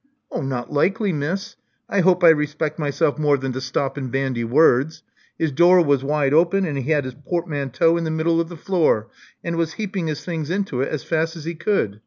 '*Not likely, Miss. I hope I respect myself more than to Stop and bandy words. His door was wide open; and he had his portmanteau in the middle of the floor, and was heaping his things into it as fast as he could.